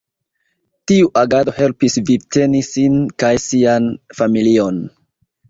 Tiu agado helpis vivteni sin kaj sian familion.